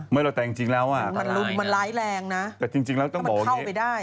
ไม่แล้วแต่จริงแล้วอะมันร้ายแรงนะแต่จริงแล้วต้องบอกว่าอย่างนี้